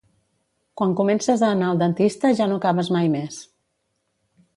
Quan comences a anar al dentista ja no acabes mai més